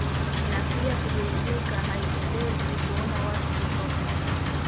na pia kuburudika Haipendezi kuona watu kutoka